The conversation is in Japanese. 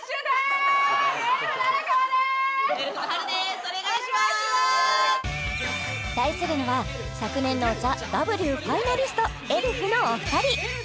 お願いします対するのは昨年の「ＴＨＥＷ」ファイナリストエルフのお二人